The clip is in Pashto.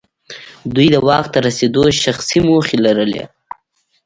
دوی د واک ته رسېدو شخصي موخې لرلې.